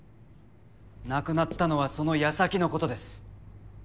亡くなったのはその矢先のことです。